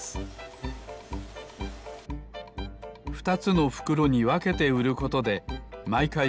２つのふくろにわけてうることでまいかい